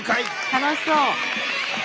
楽しそう！